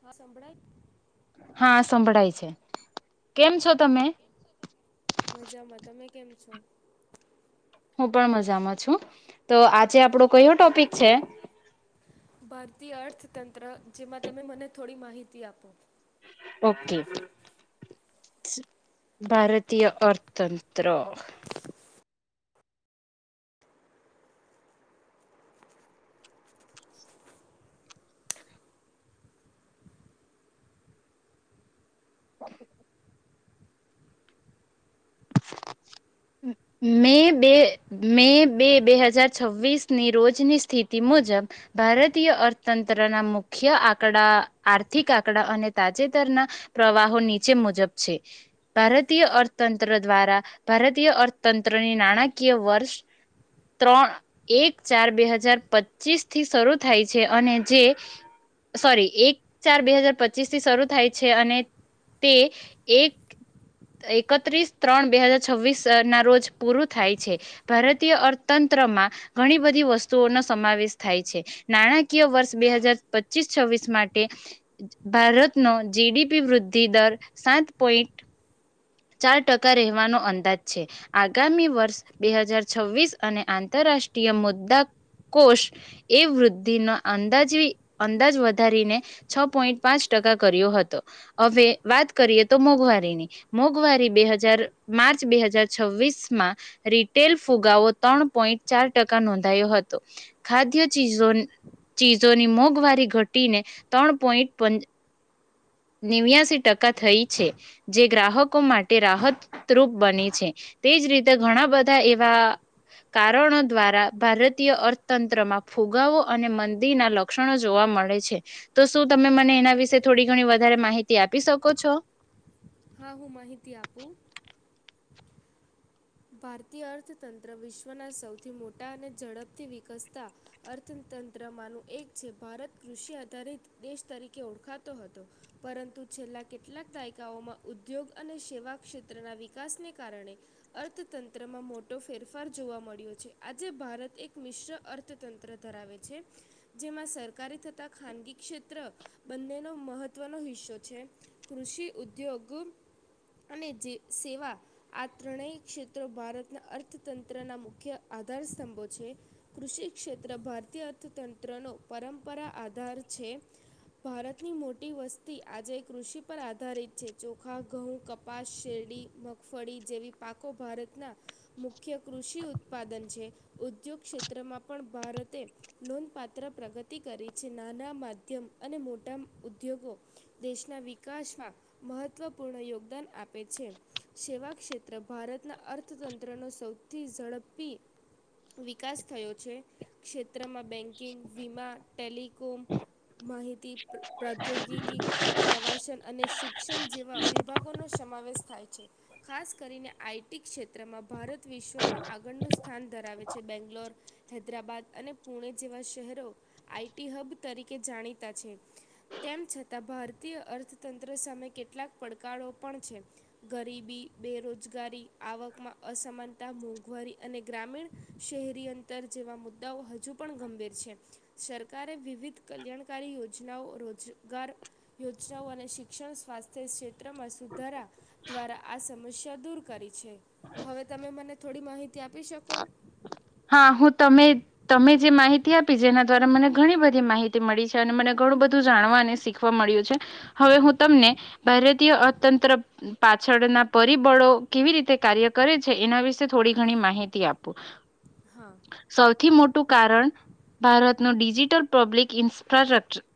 હા સંંભળાય. હા સંભળાય છે કેમ છો તમે. ઓકે મજામાં તમે કેમ છો. હું પણ મજામાં છું તો આજે આપડો કયો ટોપિક છે. ભારતીય અર્થતંત્ર જેમાં તમે મને થોડી માહિતી આપો. ઓકે ભારતીય અર્થતંત્ર. મે બે મે બે બે હજાર છવ્વીસની રોજની સ્થિતિ મુજબ ભારતીય અર્થતંત્ર ના મુખ્ય આંકડા આર્થિક આંકડા અને તાજેતરના પ્રવાહો નીચે મુજબ છે ભારતીય અર્થતંત્ર. દ્વારા ભારતીય અર્થતંત્રની નાણાકીય વર્ષ ત્રણ એક ચાર બે હજાર પચીસ થી શરૂ થાય છે અને જે સોરી એક ચાર બે હાજાર પચીસ થી શરૂ થાય છે અને તે એક એકત્રીસ. ત્રણ બે હાજાર છવ્વીસ ના રોજ પૂરું થાય છે ભારતીય અર્થતંત્રમાં ઘણી બધી વસ્તુઓનો સમાવેશ થાય છે નાણાકીય વર્ષ બે હજાર પચીસ છવ્વીસ માટે ભારતનો જીડીપી વૃદ્ધિ દર સાત પોઈન્ટ. ચાર ટકા રહેવાનો અંદાજ છે. આગામી વર્ષ બે હજાર છવ્વીસ અને આંતરરાષ્ટ્રીય મુદ્દા કોષ એ વૃદ્ધિનો અંદાજે અંદાજ વધારીને છ પોઈન્ટ પાંચ ટકા કર્યો હતો. હવે વાત કરીએ તો મોંઘવારીની મોંઘવારી બે હજાર માર્ચ બે હજાર છવ્વીસ માં રીટેલ ફુગાવો ત્રણ પોઈન્ટ ચાર ટકા નોંધાયો હતો. ખાદ્ય ચીઝો ચીજોની મોંઘવારી ઘટીને ત્રણ પોઈન્ટ પન નેવ્યાસી ટકા થઈ છે, જે ગ્રાહક ગ્રાહકો માટે રાહતરૂપ બની છે. તે જ રીતે ઘણા બધા એવા કારણો દ્વારા ભારતીય અર્થતંત્રમાં ફુગાવો અને મંદીના લક્ષણો જોવા મળે છે. તો શું તમે મને એના વિશે થોડી ઘણી વધારે માહિતી આપી શકો છો? હા હું માહિતી આપું. ભારતીય અર્થતંત્ર વિશ્વના સૌથી મોટા અને ઝડપથી વિકસતા અર્થતંત્રમાંનું એક છે. ભારત કૃષિ આધારિત દેશ તરીકે ઓળખાતો હતો. પરંતુ, છેલ્લા કેટલાક દાયકાઓમાં ઉદ્યોગ અને સેવા ક્ષેત્રના વિકાસને કારણે અર્થતંત્રમાં મોટો ફેરફાર જોવા મળ્યો છે. આજે ભારત એક મિશ્ર અર્થતંત્ર ધરાવે છે, જેમાં સરકારી થતા ખાનગી ક્ષેત્ર બંનેનો મહત્વનો હિશો છે. કૃષિ ઉદ્યોગ અને જે સેવા આ ત્રણેય ક્ષેત્રો ભારતના અર્થતંત્રના મુખ્ય આધાર સ્તંભો છે. કૃષિ ક્ષેત્ર ભારતીય અર્થતંત્રનો પરંપરા આધાર છે. ભારતની મોટી વસ્તી આજે કૃષિ પર આધારિત છે. ચોખા, ઘઉં, કપાસ શેરડી, મગફળી જેવી પાકો ભારતના મુખ્ય કૃષિ ઉત્પાદન છે. ઉદ્યોગ ક્ષેત્રમાં પણ ભારતે નોંધપાત્ર પ્રગતિ કરી છે. નાના માધ્યમ અને મોટા ઉદ્યોગો દેશના વિકાસમાં મહત્વપૂર્ણ યોગદાન આપે છે. સેવા ક્ષેત્ર ભારતના અર્થતંત્રનો સૌથી ઝડપી વિકાસ થયો છે. ક્ષેત્રમાં બેંક કિંગ, વિમા, ટેલિકોમ માહિતી પ્રાદ્યોગિકી પ્રવાસન અને શિક્ષણ જેવા વિભાગોનો સમાવેશ થાય છે. ખાસ કરીને આઈટી ક્ષેત્રમાં ભારત વિશ્વમાં આગળનું સ્થાન ધરાવે છે. બેંગ્લોર, હૈદરાબાદ અને પુના જેવા શહેરો આઈટી હબ તરીકે જાણીતા છે. તેમ છતાં ભારતીય અર્થતંત્ર સામે કેટલાક પડકારો પણ છે. ગરીબી બેરોજગારી, આવકમાં અસમાનતા, મોંઘવારી અને ગ્રામીણ શહેરી અંતર જેવા મુદ્દાઓ હજ પણ ગંભીર છે. સર કારે વિવિધ કલ્યાણકારી યોજનાઓ, રોજગાર યોજનાઓ અને શિક્ષણ સ્વાસ્થ્ય ક્ષેત્ર ત્રમાં સુધારા દ્વારા આસ ખુશીયા દૂર કરી. [unintelligible] હવે તમે મને થોડી માહી હા હું તમે તમે જે માહિ તી આપી જેના દ્વારા મને ઘણી બધી માહિતી મળી છે. અને મને ઘણું બધું જાણવા અને શીખવા મળ્યું છે. હવે હું તમને ભારતીય અર્થતંત્ર પાછળના પરિબળો કેવી રીતે કાર્ય કરે છે એના વિશે થોડી ઘણી માહિતી તી આપું. હા સૌથી મોટું કારણ ભારતનું ડિજિટલ પબ્લિક ઇન્ફ્ર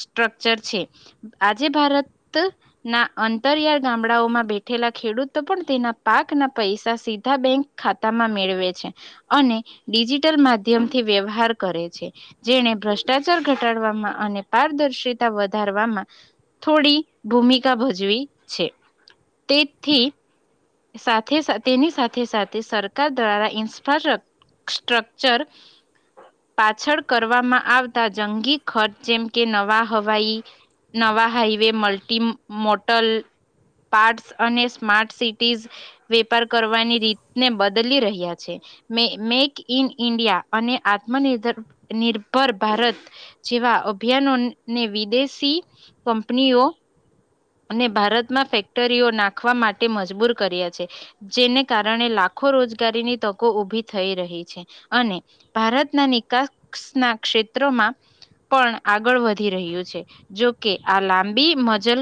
સ્ટ્રકચર છે આજે ભારત ના અંતરિયાળ ગામડાઓમાં બેઠેલા ખેડૂતો પણ તેના પાકના પૈસા સીધા બેંક ખાતામાં મેળવે છે. છે. અને ડિજિટલ માધ્યમથી વ્યવહાર કરે છે. જેણે ભ્રષ્ટાચાર ઘટાડવામાં અને પારદર્શિતા વધારવામાં થોડી ભૂમિકા ભજવી છે. તેથી સાથે સા તેની સાથે સાથે સરકાર દ્વારા ઇન ફ સ્ટ્રકચર પાછળ કરવામાં આવતા જંગી ખર્ચ જેમ કે નવા હવાઈ નવા હાઈવે મલ્ટી મોટલ પાર્ટસ, અને સ્માર્ટ સિટીઝ વેપાર કરવાની રીતને બદલી રહ્યા. છે. મે મેક ઇન ઇન્ડિયા અને આત્મનિર્ધાર નિર્ભર ભારત જેવા અભિયાનોને વિદેશી કંપનીઓ અને ભારતમાં ફેક્ટરીઓ નાખવા માટે મજબૂર કર્યા છે. જેને કારણે લાખો રોજગારીની તકો ઊભી થઈ રહી છે. અને ભારતના નિકાસના ક્ષેત્રોમાં પણ આગળ વધી રહ્યું છે જોકે આ લાંબી મજલ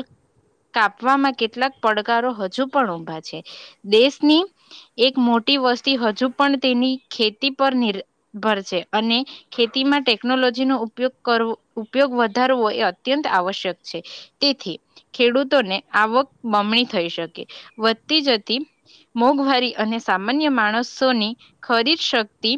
કાપવામાં કેટલાક પડકારો હજુ પણ ઊભા છે દેશની એક મોટી વસ્તી હજુ પણ તેની ખેતી પર નિર્ભર છે અને ખેતીમાં ટેકનોલોજીનો ઉપયોગ કરવો ઉપયોગ વધારવો એ અત્યંત આવશ્યક છે. તેથી ખેડૂતોને આવક બમણી થઈ શકે. વધતી જતી મોંઘવારી અને સામાન્ય માણસોની ખરીદ શક્તિ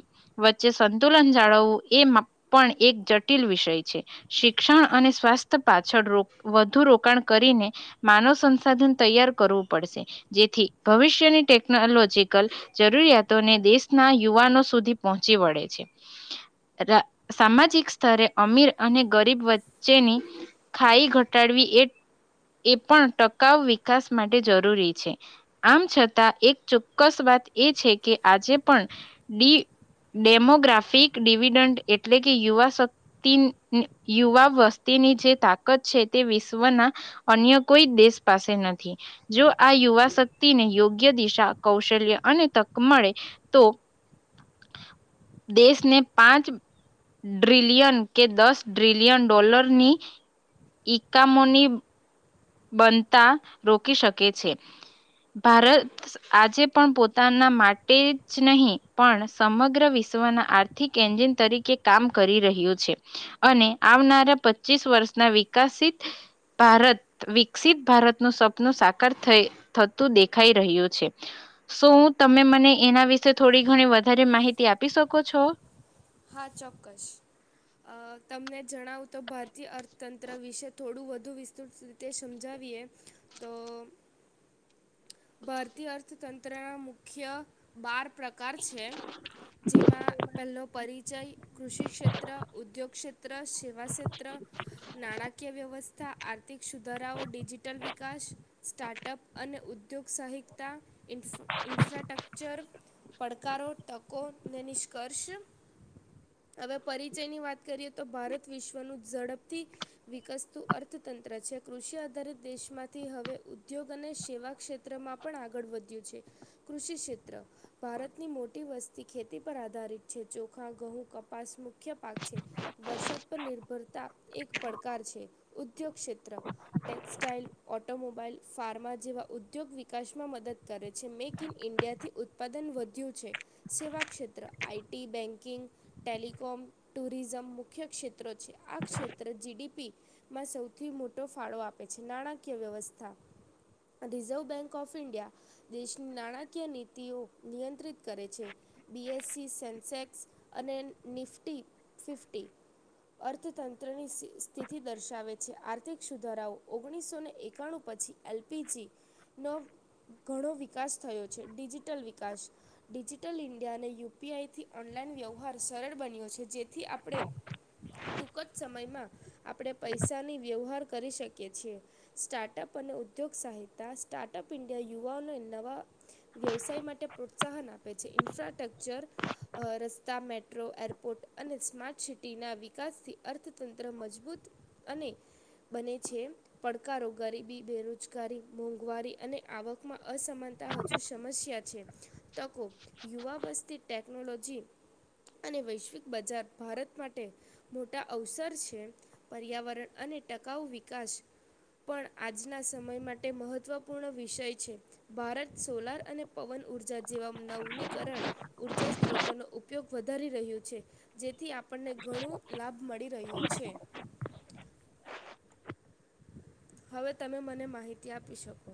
વચ્ચે સંતુલન જાળવવું એ પણ એક જટિલ વિષય છે. શિક્ષણ અને સ્વાસ્થ્ય પાછળ રો વધુ રો કણ કરીને માનવ સંસાધન તૈયાર કરવું પડશે. જેથી ભવિષ્યની ટેકનોલોજીકલ જરૂરિયાતોને દેશના યુવાનો સુધી પહોંચી વળે છે. રા સામાજિક સ્તરે અમીર અને ગરીબ વચ્ચેની ખાઈ ઘટાડવી એ એ પણ ટકાઉ વિકાસ માટે જરૂરી છે. આમ છતાં એક ચોક્કસ વાત એ છે કે, આજે પણ ડી ડેમોગ્રાફિક ડિવિડન્ડ એટલે કે યુવા શક્તિ યુવા વસ્તીની જે તાકાત છે તે વિશ્વના અન્ય કોઈ દેશ પાસે નથી. જો આ યુવા શક્તિને યોગ્ય દિશા, કૌશલ્ય અને તક મળે તો દેશને પાંચ ડ્રિલિયન કે દસ ડ્રિલિયન ડોલરની ઈકામોની બનતા રોકી શકે છે. ભારત આજે પણ પોતાના માટે જ નહીં પણ સમગ્ર વિશ્વના આર્થિક એન્જિન તરીકે કામ કરી રહ્યું છે અને આવનારા પચીસ વર્ષના વિકસિત ભારત વિકસિત ભારતનું સપનું સાકાર થ થતું દેખાઈ રહ્યું છે શું તમે મને એના વિશે થોડી ઘણી વધારે માહિતી આપી શકો છો? હા ચોક્કસ તમને જણાવુ તો ભારતીય અર્થતંત્ર વિશે થોડું વધુ વિસ્તૃત રીતે સમજાવીએ તો ભારતીય અર્થતંત્રના મુખ્ય બાર પ્રકાર છે. જેમાં પહેલો પરિ જઈ કૃષિ ક્ષેત્ર, ઉદ્યોગક્ષેત્ર, સેવા સેત્ર, નાણાકીય વ્યવસ્ ત આ થીક સુધારાઓ ડિજિટલ વિકાસ સ્ટાર્ટઅપ અને ઉ ઉદ્યોગસાહિકતા, ઇન્ફ ઇન્ફ્રાટક્ચર, પડકારો, તકોને નિષ્કર્ષ હવે પરિચય ની વાત કરીએ ત તો ભારત વિશ્વનું ઝડપથી વિકસતું અર્થતંત્ર છે. કૃષિ આધારિત દેશમાંથી હવે ઉદ્યોગ અને સેવા ક્ષેત્રમાં પણ આગળ વધ્યું છે. કૃષિ ક્ષેત્ર ભારતની મોટી વસ્તી ખેતી પર આધારિત છે. ચખા ઘઉં કપાસ મુખ્ય પાક છે. વરસાદ પર નિર્ભરતા એક પડકાર છે. ઉદ્યોગ ક્ષેત્ર ટેક્સટાાઈલ ઓટોમોબાઈલ ફાર્મા જેવા ઉદ્યોગ વિકાસમાં મદદ કરે છે. મેક ઇન ઇન્ડિયાથી ઉત્પાદન વધ્યું છે. સેવા ક્ષેત્ર આઈટી બેન્ક કિન ટેલિકોમ ટુરિઝમ મુખ્ય ક્ષેત્રો છે. આ ક્ષેત્ર જીડીપીમાં સૌથી મોટો ફાળો આપે છે. નાણાકીય વ્યવસ્થા રિઝર્વ બેંક ઓફ ઇન્ડિયા દેશની નાણાકીય નીતિઓ નિયંત્રિત કરે છે. બીએસસી સેન્સેક્ અને નિફ્ટી ફિફ્ટી અર્થતંત્રની સ્થિતિ દર્શાવે છે. આર્થિક સુધારાઓ ઓગણીસોને એકાણું પછી એલપીજી નો ઘણો વિકાસ થયો છે. ડિજિટલ વિકાસ ડિજિટલ ઇન્ડિયાને યુપીઆઈથી ઓનલાઈન વ્યવહાર સરળ બન્યો છે. જેથી આપણે ટૂંક જ સમયમાં આપણે પૈસાની વ્યવહાર કરી શકીએ છીએ. સ્ટાર્ટઅપ અને ઉદ્યોગ સહાયતા સ્ટાર્ટઅપ ઇન્ડિયા યુવાઓને નવા વ્યવસાય માટે પ્રોત્સાહન આપે છે. ઇન્ફ્રાસ્ટ્રકચર રસ્તા, મેટ્રો, એરપોર્ટ અને સ્માર્ટ સિટીના વિકાસથી અર્થતંત્ર મજબૂત અને બને છે. પડકારો ગરીબી બેરોજગારી મોંઘવારી અને આવકમાં અસમાનતા હજુ સમસ્યા છે તકો યુવા વસ્તી ટેક્સ ટેલોજી અને વૈશ્વિક બજાર ભારત માટે મોટા અવસર છે. પર્યાવરણ અને ટકાઉ વિકાસ પણ આજના સમય માટે મહત્વપૂર્ણ વિષય છે. ભારત સોલાર અને પવન ઉર્જા જેવા નવનીકરણ ઉર્જા સ્ત્રોતો ન ઉપયોગ વધારી રહ્યું છે. જેથી આપણને ઘણો લાભ મળી રહ્યો છે. હવે તમે મને માહિતી આપી શકો.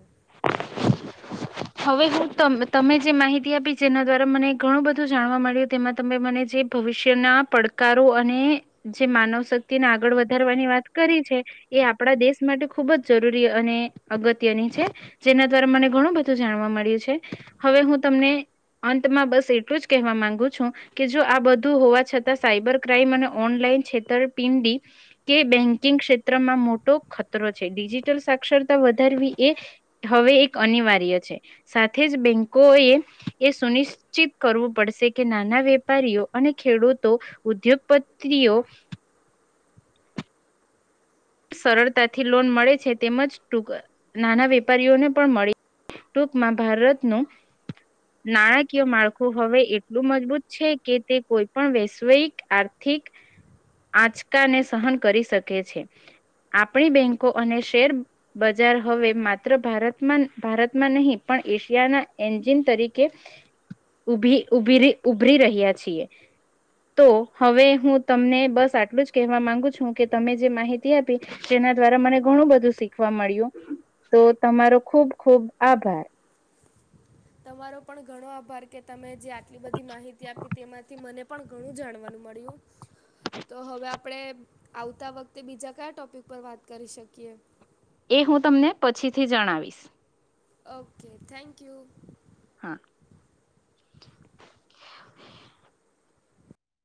હવે હું તમે જે માહિતી આપી જેના દ્વારા મને ઘણું બધું જાણવા મળ્યું. તેમાં તમે મને જે ભવિષ્યના પડકારો અને જે માનવ શક્તિને આગળ વધારવાની વાત કરી છે એ આપણા દેશ માટે ખુબ જ જરૂરી અને અગત્યની છે. જેના દ્વારા મને ઘણું બ ધું જાણવા મળ્યું છે. હવે હું તમને અંતમાં બસ એટલું જ કહેવા માંગુ છું કે જો આ બધું હોવા છતાં સાયબર ક્રાઈમ અને ઓનલાઈન છેતરપિંડી કે બેન્કિંગ ક્ષેત્રમાં મોટો ખતરો છે. ડિજિટલ સાક્ષરતા વધારવી એ હવે એક અનિવાર્ય છે. સાથે જ બેંકોએ એ સુનિશ્ચિત કરવું પડશે કે નાના વેપારીઓ અને ખેડૂતો ઉદ્યોગપતિઓ સરળતાથી લોન મળે છે, તેમજ ટૂક નાના વેપારીઓને પણ મળે. ટૂંકમાં ભારતનું નાણાકીય માળખું હવે એટલું મજબૂત છે કે તે કોઈ પણ વૈશ્વયિક આર્થિક આંચકાને સહન કરી શકે છે. આપણી બેંકો અને શેર બજાર હવે માત્ર ભારતમાં ભારતમાં નહીં પણ એશિયાના એન્જિન તરીકે ઉભી ઉ ઉભરી રહ્યા છીએ, તો હવે હું તમને બસ આટલું જ કહેવા માંગુ છું કે તમે જે માહિતી તેના દ્વારા મને ઘણું બધું શીખવા મળ્યું તો તમારો ખુબ ખુબ આભાર. તમારો પણ ઘણો આભાર કે તમે જે આટલી બધી માહિતી આપી તેમાંથી મને પણ ઘણું જાણવાનું મળ્યું. તો હવે આપડે આવતા વખતે બીજા કયા ટોપિક પર વાત કરી શકીએ? એ હું તમને પછીથી જણાવીશ. Okay thank you. હા